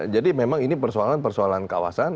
jadi memang ini persoalan persoalan kawasan